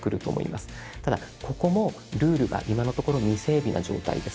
ただここもルールが今のところ未整備な状態です。